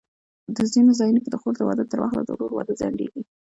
په ځینو ځایونو کې د خور د واده تر وخته د ورور واده ځنډېږي.